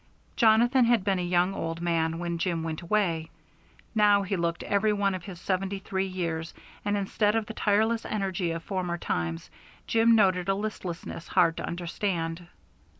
Jonathan had been a young old man when Jim went away; now he looked every one of his seventy three years, and instead of the tireless energy of former times Jim noted a listlessness hard to understand.